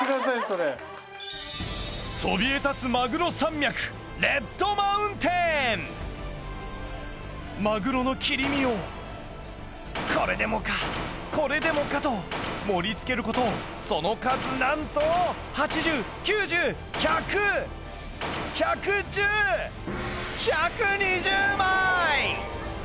そびえ立つマグロ山脈マグロの切り身をこれでもかこれでもかと盛り付けることその数なんと１２０枚！